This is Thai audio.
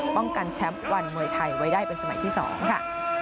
ป้องกันแชมป์วันมวยไทยไว้ได้เป็นสมัยที่๒ค่ะ